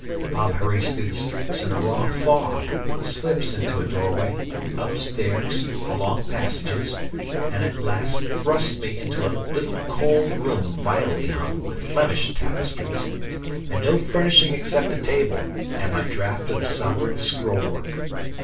'Bob hurries through the streets in the raw fog, slips into a doorway, up stairs, along passages, and at last thrusts me into a little cold room vilely hung with Flemish tapestries, and no furnishing except a table and my draft of the SOVEREIGN's scrollwork.